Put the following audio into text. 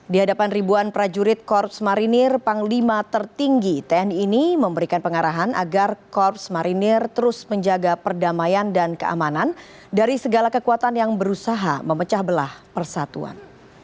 di hadapan ribuan prajurit korps marinir panglima tertinggi tni ini memberikan pengarahan agar korps marinir terus menjaga perdamaian dan keamanan dari segala kekuatan yang berusaha memecah belah persatuan